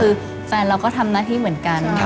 เราก็ทำหน้าที่เหมือนกัน